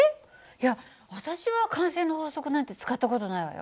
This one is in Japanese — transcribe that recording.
いや私は慣性の法則なんて使った事ないわよ。